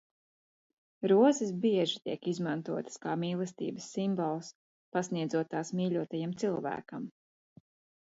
Rozes bieži tiek izmantotas kā mīlestības simbols, pasniedzot tās mīļotajam cilvēkam.